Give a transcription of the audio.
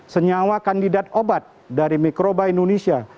senyawa kandidat obat dari mikroba indonesia